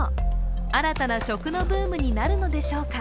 新たな食のブームになるのでしょうか。